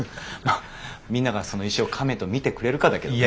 みんながその石をカメと見てくれるかだけどね。